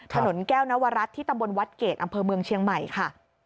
ถนนแก้วนวรัฐที่ตำบลวัดเกรดอำเภอเมืองเชียงใหม่ค่ะ